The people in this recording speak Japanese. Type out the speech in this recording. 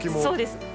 そうです。